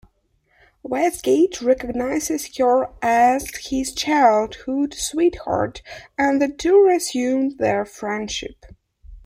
Westgate recognises her as his childhood sweetheart, and the two resume their friendship.